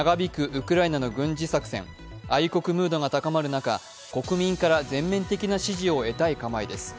ウクライナの軍事作戦、愛国ムードが高まる中、国民から全面的な支持を得たい構えです。